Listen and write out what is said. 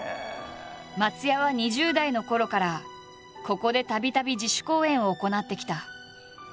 松也は２０代のころからここでたびたび自主公演を行ってきた。